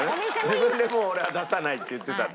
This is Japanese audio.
自分でもう俺は出さないって言ってたんで。